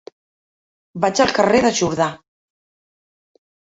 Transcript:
Vaig al carrer de Jordà.